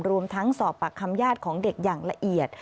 รวมทั้งสอบปากคำญาติของเด็กอย่างละเอียด